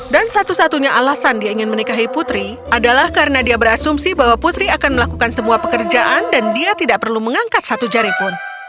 dan satu satunya alasan dia ingin menikahi putri adalah karena dia berasumsi bahwa putri akan melakukan semua pekerjaan dan dia tidak perlu mengangkat satu jari pun